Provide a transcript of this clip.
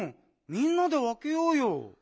みんなでわけようよ。